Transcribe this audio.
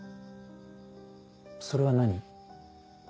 それは何？